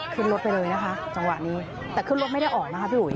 ขึ้นรถไปเลยนะคะจังหวะนี้แต่ขึ้นรถไม่ได้ออกนะคะพี่อุ๋